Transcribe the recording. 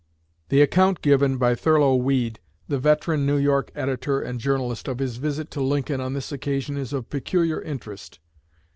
The account given by Thurlow Weed, the veteran New York editor and journalist, of his visit to Lincoln on this occasion is of peculiar interest.